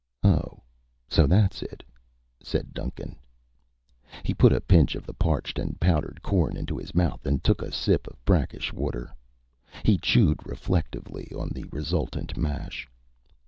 "Oh, so that's it," said Duncan. He put a pinch of the parched and powdered corn into his mouth and took a sip of brackish water. He chewed reflectively on the resultant mash.